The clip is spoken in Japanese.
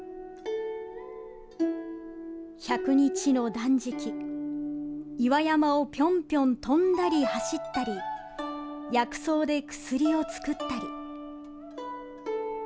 １００日の断食、岩山をぴょんぴょん跳んだり走ったり薬草で薬を作ったり。